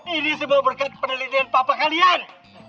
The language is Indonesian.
ini semua berkat penelitian bapak kalian